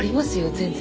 全然。